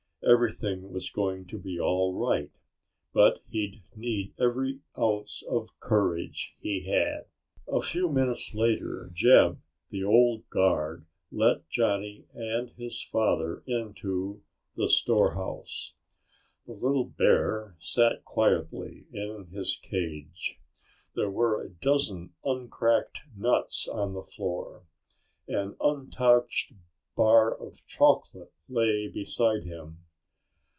Everything was going to be all right, but he'd need every ounce of courage he had. A few minutes later Jeb, the old guard, let Johnny and his father into the store house. The little bear sat quietly in his cage. There were a dozen uncracked nuts on the floor. An untouched bar of chocolate lay beside him.